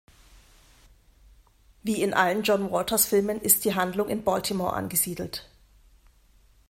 Wie in allen John-Waters-Filmen ist die Handlung in Baltimore angesiedelt.